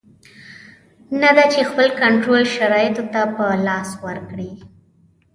نه دا چې خپل کنټرول شرایطو ته په لاس ورکړي.